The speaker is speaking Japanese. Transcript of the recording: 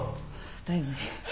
だよね。